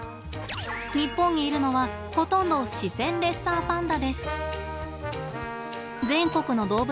日本にいるのはほとんどシセンレッサーパンダです。